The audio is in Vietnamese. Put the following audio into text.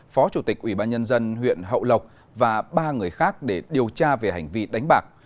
phó chủ tịch ủy ban nhân dân huyện hậu lộc và ba người khác để điều tra về hành vi đánh bạc